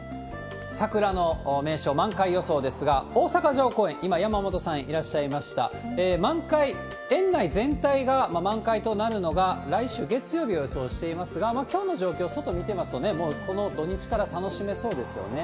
桜の名所、満開予想ですが、大阪城公園、今、山本さんいらっしゃいました、満開、園内全体が満開となるのが、来週月曜日を予想していますが、もうきょうの状況、外見てますとね、もうこの土日から楽しめそうですよね。